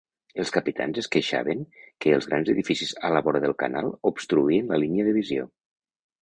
Els capitans es queixaven que els grans edificis a la vora del canal obstruïen la línia de visió.